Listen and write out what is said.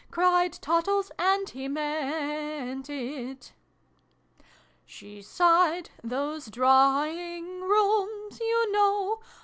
cried Tottles (and he meant it]. Slie sighed. " TJwse Draiving Rooms, you know!